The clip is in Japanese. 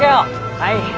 はい。